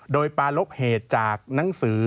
โดยปาลบเหตุจากหนังสือ